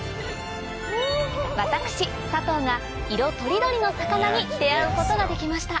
私佐藤が色とりどりの魚に出合うことができました